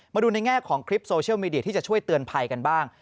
มาดูในแง่ของคลิปโซเชียลมีเดียที่จะช่วยเตือนภัยกันบ้าง